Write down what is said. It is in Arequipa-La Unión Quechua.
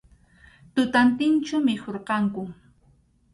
Tutantinchu mikhurqanku.